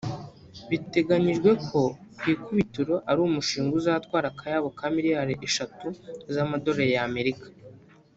Biteganyijwe ko ku ikubitiro ari umushinga uzatwara akayabo ka miliyari esheshatu z’amadolari ya Amerika